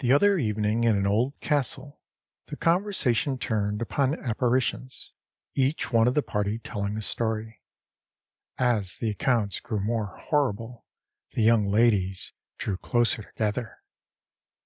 The other evening in an old castle the conversation turned upon apparitions, each one of the party telling a story. As the accounts grew more horrible the young ladies drew closer together.